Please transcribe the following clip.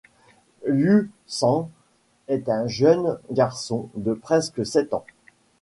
Liu-San est un jeune garçon de presque sept ans.